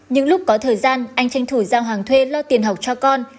những lúc có thời gian anh tranh thủ giao hàng thuê lo tiền học cho con